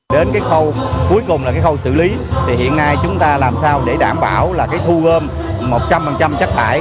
đến cái khâu cuối cùng là cái khâu xử lý thì hiện nay chúng ta làm sao để đảm bảo là cái thu gom một trăm linh chất thải